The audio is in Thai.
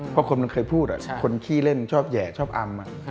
เพราะคนมันเคยพูดคนขี้เล่นชอบแห่ชอบอำ